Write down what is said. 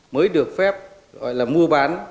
mới được phép gọi là mua bán